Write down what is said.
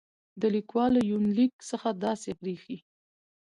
د ليکوال له يونليک څخه داسې برېښي